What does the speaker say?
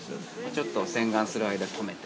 ◆ちょっと洗顔する間、止めて。